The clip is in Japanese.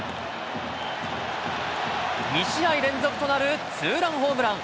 ２試合連続となるツーランホームラン。